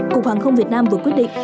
cục hàng không việt nam vừa quyết định